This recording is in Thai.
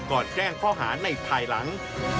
ก่อนแจ้งข้อหาในถ่ายหลัง